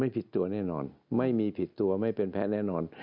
ผิดตัวแน่นอนไม่มีผิดตัวไม่เป็นแพ้แน่นอน